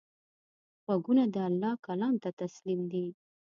غوږونه د الله کلام ته تسلیم دي